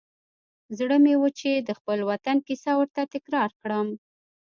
زړه مې و چې د خپل وطن کیسه ورته تکرار کړم.